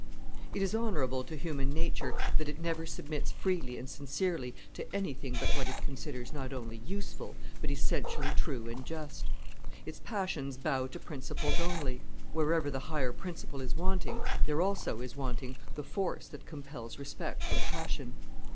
It is honorable to human nature that it never submits freely and sincerely to anything but what it considers not only useful, but essentially true and just; its passions bow to principles only; wherever the higher principle is wanting, there also is wanting the force that compels respect from passion.